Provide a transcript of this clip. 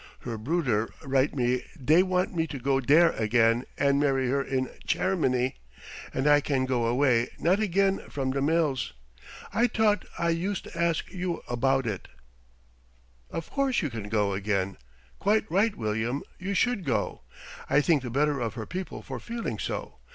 Her bruder write me dey want me to go dere again and marry her in Chairmany, and I can go away not again from de mills. I tought I yust ask you aboud it." "Of course you can go again. Quite right, William, you should go. I think the better of her people for feeling so.